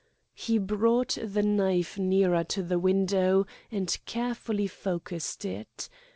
He brought the knife nearer to the window and carefully focussed it.